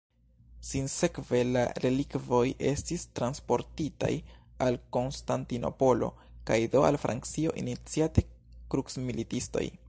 Sinsekve la relikvoj estis transportitaj al Konstantinopolo kaj do al Francio iniciate krucmilitistoj.